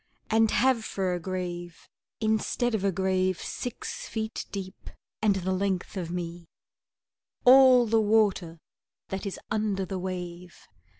And have for a grave, instead of a grave Six feet deep and the length of me, All the water that is under the wave!